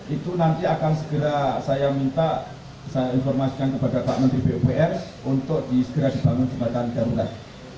itu nanti akan segera saya minta saya informasikan kepada pak menteri pupr untuk disegera dibangun jembatan darurat